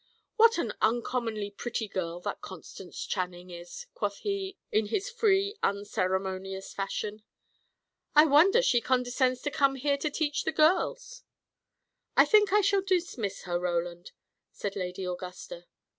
"What an uncommonly pretty girl that Constance Channing is!" quoth he, in his free, unceremonious fashion. "I wonder she condescends to come here to teach the girls!" "I think I shall dismiss her, Roland," said Lady Augusta.